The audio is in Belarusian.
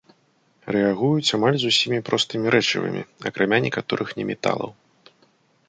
Рэагуюць амаль з усімі простымі рэчывамі, акрамя некаторых неметалаў.